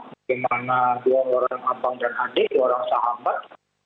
bagaimana dua orang abang dan adik dua orang sahabat